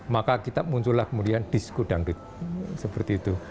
maka kita muncullah kemudian disku dangdut seperti itu